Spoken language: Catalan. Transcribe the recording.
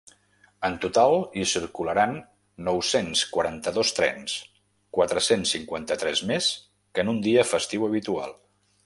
En total hi circularan nou-cents quaranta-dos trens, quatre-cents cinquanta-tres més que en un dia festiu habitual.